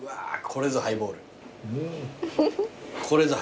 これぞハイボールです